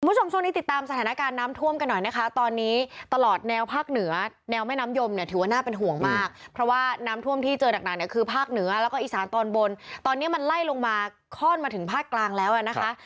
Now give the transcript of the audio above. คุณผู้ชมช่วงนี้ติดตามสถานการณ์น้ำท่วมกันหน่อยนะคะตอนนี้ตลอดแนวภาคเหนือแนวแม่น้ำยมเนี่ยถือว่าน่าเป็นห่วงมากเพราะว่าน้ำท่วมที่เจอหนักเนี่ยคือภาคเหนือแล้วก็อีสานตอนบนตอนนี้มันไล่ลงมาคล่อนมาถึงภาคกลางแล้วอ่ะนะคะ